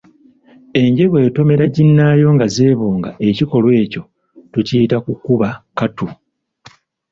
Enje bw’etomera ginnaayo nga zeebonga, ekikolwa ekyo tukiyita kukuba kattu.